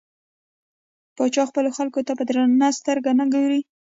پاچا خپلو خلکو ته په درنه سترګه نه ګوري .